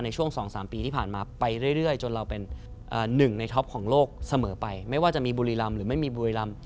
ในช่วง๒๓ปีที่ผ่านมาไปเรื่อย